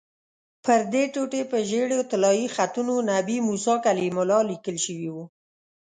پردې ټوټې په ژېړو طلایي خطونو 'نبي موسی کلیم الله' لیکل شوي وو.